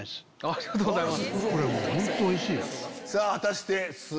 ありがとうございます。